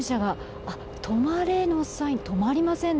止まれのサイン止まりませんね。